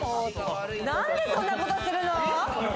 なんで、そんなことするの！